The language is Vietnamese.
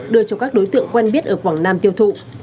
đưa cho các đối tượng quen biết ở quảng nam tiêu thụ